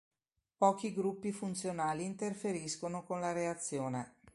Pochi gruppi funzionali interferiscono con la reazione.